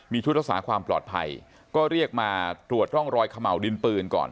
มีชุดรักษาความปลอดภัยก็เรียกมาตรวจร่องรอยเขม่าวดินปืนก่อน